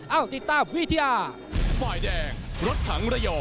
เอาติดตามวิทยา